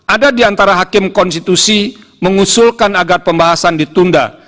ada di antara hakim konstitusi mengusulkan agar pembahasan ditunda